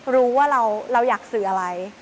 รู้ว่าเราอยากสื่ออะไร